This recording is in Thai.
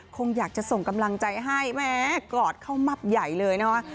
คงอยากจะส่งกำลังใจให้แม้กอดเข้ามับใหญ่เลยนะคะ